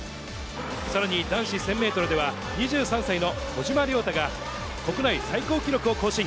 さらに、男子１０００メートルでは、２３歳の小島良太が、国内最高記録を更新。